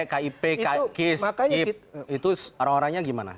kip kis kip itu orang orangnya gimana